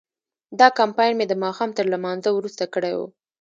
دا کمپاین مې د ماښام تر لمانځه وروسته کړی و.